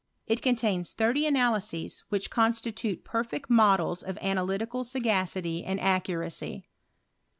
It contains thirty analyses, which constitute perfect models of' analytical sao^city and accuracy.